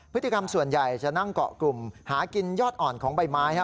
พฤติกรรมส่วนใหญ่จะนั่งเกาะกลุ่มหากินยอดอ่อนของใบไม้นะครับ